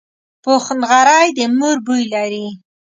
پوخ نغری د مور بوی لري